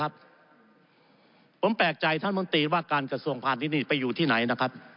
ผมแปลกใจท่านมันว่าการกระทรวงผ่านราชนิดไปอยู่ที่ไหน